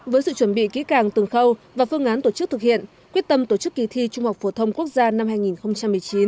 với sự chuẩn bị kỹ càng từng khâu và phương án tổ chức thực hiện quyết tâm tổ chức kỳ thi trung học phổ thông quốc gia năm hai nghìn một mươi chín